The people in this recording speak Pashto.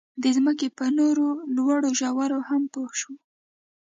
د ځمکې په نورو لوړو ژورو هم پوه شو.